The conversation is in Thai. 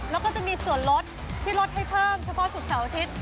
แล้วก็จะมีส่วนลดที่ลดให้เพิ่มเฉพาะศุกร์เสาร์อาทิตย์